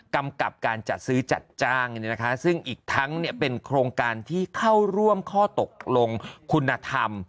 กำกับการจัดซื้อจัดจ้างซึ่งอีกทั้งเป็นโครงการที่เข้าร่วมข้อตกลงคุณธรรม